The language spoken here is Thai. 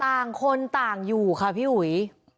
ต่างคนต่างอยู่ค่ะพี่อุ๋ย